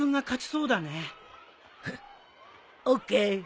フッＯＫ！